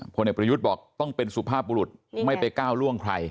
ผลเอกประยุทธ์บอกต้องเป็นสุภาพบุรุษไม่ไปก้าวล่วงใคร